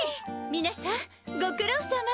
皆さんご苦労さま。